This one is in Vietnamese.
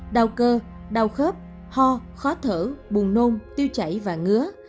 đau cơ đau khớp ho khó thở buồn nôn tiêu chảy và ngứa